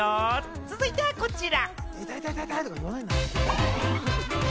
続いてはこちら。